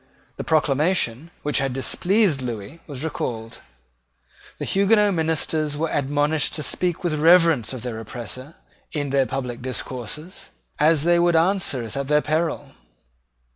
The proclamation which had displeased Lewis was recalled. The Huguenot ministers were admonished to speak with reverence of their oppressor in their public discourses, as they would answer it at their peril.